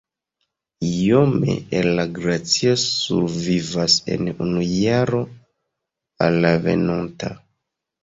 Iome el la glacio survivas el unu jaro al la venonta.